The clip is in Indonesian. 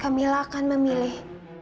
kamila akan memilih